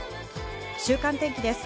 週間天気です。